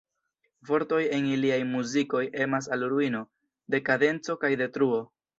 Vortoj en iliaj muzikoj emas al ruino, dekadenco kaj detruo.